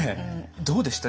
どうでした？